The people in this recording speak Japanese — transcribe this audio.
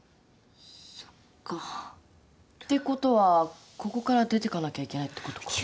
そっか。ってことはここから出てかなきゃいけないってことか。